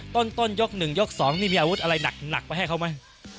ต้นยก๑ยก๒นี่มีอาวุธอะไรหนักไปให้เขาไหม